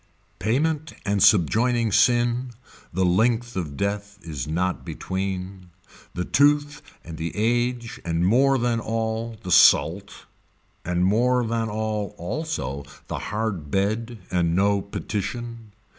Payment and subjoining sin, the length of death is not between, the tooth and the age and more than all, the salt, and more than all also the hard bed and no petition.